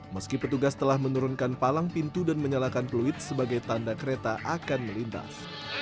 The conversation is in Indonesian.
meski petugas telah menurunkan palang pintu dan menyalakan peluit sebagai tanda kereta akan melintas